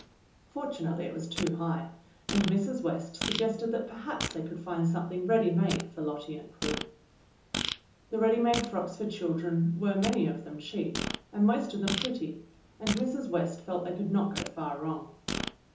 '^" Fortunately it was too high, and Mrs. West sug gested that perhaps they could find something ready made for Lottie and Prue. The ready made frocks for children were many of them cheap and most of them pretty; and Mrs. West felt they could not go far wrong.